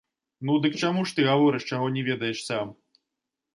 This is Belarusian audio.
Ну, дык чаму ж ты гаворыш, чаго не ведаеш сам?